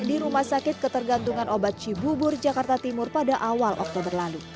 di rumah sakit ketergantungan obat cibubur jakarta timur pada awal oktober lalu